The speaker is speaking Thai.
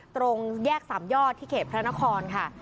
ตรงแยกสามยอดที่เขตพระนครค่ะ